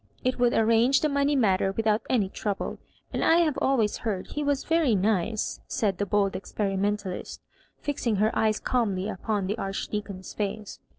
It would arrange the money matter without any trouble; and I have always heard he was very nice," said the bold experimentalist, fixing her eyes calmly upon the Archdeacon^ foce.